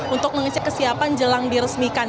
untuk mengecek kesiapan jelang diresmikan